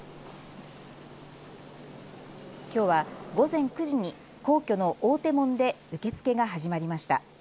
きょうは午前９時に皇居の大手門で受け付けが始まりました。